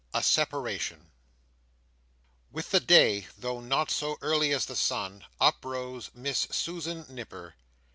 A Separation With the day, though not so early as the sun, uprose Miss Susan Nipper.